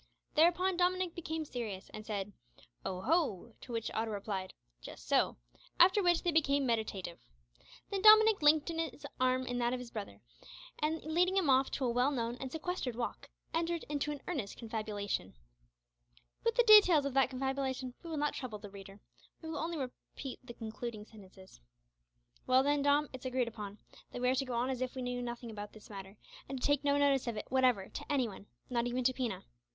Thereupon Dominick became serious, and said "Oho!" To which Otto replied "Just so," after which they became meditative. Then Dominick linked his arm in that of his little brother, and, leading him off to a well known and sequestered walk, entered into an earnest confabulation. With the details of that confabulation we will not trouble the reader. We will only repeat the concluding sentences. "Well, then, Dom, it's agreed on, that we are to go on as if we knew nothing about this matter, and take no notice of it whatever to any one not even to Pina."